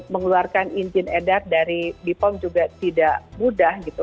mengeluarkan izin edar dari bepom juga tidak mudah gitu